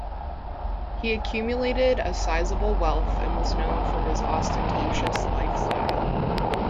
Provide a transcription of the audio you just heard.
He accumulated a sizable wealth and was known for his ostentatious lifestyle.